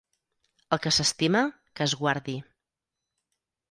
El que s'estima, que es guardi.